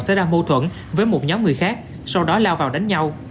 xảy ra mâu thuẫn với một nhóm người khác sau đó lao vào đánh nhau